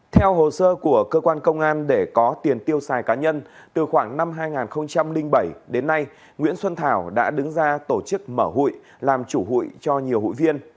theo hồ sơ của cơ quan công an để có tiền tiêu xài cá nhân từ khoảng năm hai nghìn bảy đến nay nguyễn xuân thảo đã đứng ra tổ chức mở hụi làm chủ hụi cho nhiều hụi viên